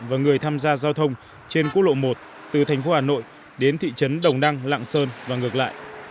và người tham gia giao thông trên quốc lộ một từ thành phố hà nội đến thị trấn đồng đăng lạng sơn và ngược lại